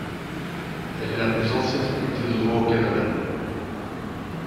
Elle est la plus ancienne faculté de droit au Canada.